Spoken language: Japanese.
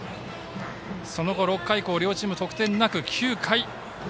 その後、６回以降両チーム得点なく９回。